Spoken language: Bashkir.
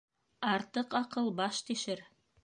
Артыҡ аҡыл баш тишер.